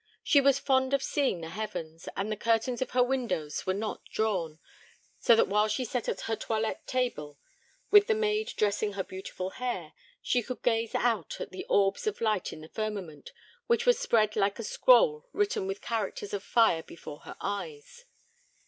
She was fond of seeing the heavens, and the curtains of her windows were not drawn; so that while she sat at her toilette table, with the maid dressing her beautiful hair, she could gaze out at the orbs of light in the firmament, which was spread like a scroll written with characters of fire before her eyes.